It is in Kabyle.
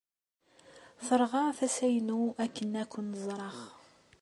Terɣa tasa-inu akken ad ken-ẓreɣ.